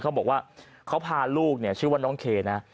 เขาบอกว่าเขาพาลูกเนี่ยชื่อว่าน้องเคนะ